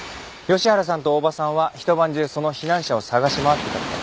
吉原さんと大場さんは一晩中その避難者を捜し回ってたって。